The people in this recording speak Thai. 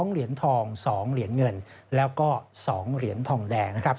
๒เหรียญทอง๒เหรียญเงินแล้วก็๒เหรียญทองแดงนะครับ